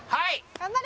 頑張れ！